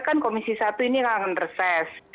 kan komisi satu ini yang akan reses